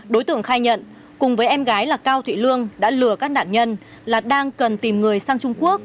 đối tượng khai nhận cùng với em gái là cao thị lương đã lừa các nạn nhân là đang cần tìm người sang trung quốc